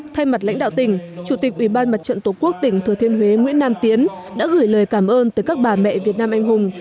thay mặt lãnh đạo tỉnh chủ tịch ủy ban mặt trận tổ quốc tỉnh thừa thiên huế nguyễn nam tiến đã gửi lời cảm ơn tới các bà mẹ việt nam anh hùng